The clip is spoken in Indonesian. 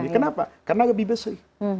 kenapa karena lebih besar